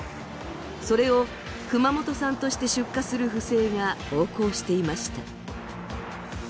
それを熊本産として出荷する不正が横行していました。